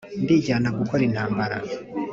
ndijyana gukora intambara